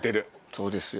そうですよ。